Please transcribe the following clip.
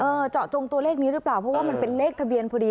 เจาะจงตัวเลขนี้หรือเปล่าเพราะว่ามันเป็นเลขทะเบียนพอดี